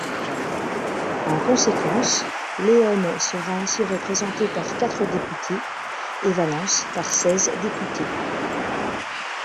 En conséquence, León sera ainsi représentée par quatre députés et Valence par seize députés.